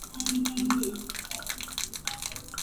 Solo entonces pudieron exhumar el cuerpo del santo.